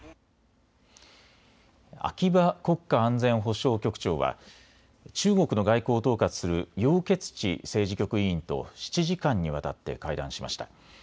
秋葉国家安全保障局長は中国の外交を統括する楊潔ち政治局委員と７時間にわたって会談しました。